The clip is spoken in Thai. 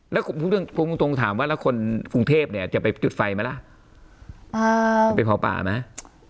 แล้วพูดตรงถามว่าแล้วคนกรุงเทพเนี่ยจะไปจุดไฟไหมล่ะจะไปเผาป่าไหม